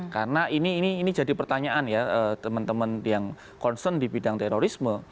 karena ini jadi pertanyaan ya teman teman yang concern di bidang terorisme